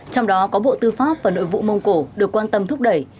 trong đó có bộ tư pháp và nội vụ mông cổ được quan tâm thúc đẩy